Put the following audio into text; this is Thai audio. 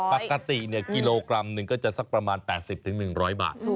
ปกติกิโลกรัมหนึ่งก็จะสักประมาณ๘๐๑๐๐บาท